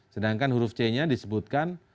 sedangkan huruf c nya disebutkan